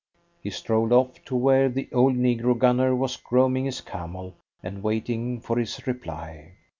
He strolled off to where the old negro gunner was grooming his camel and waiting for his reply.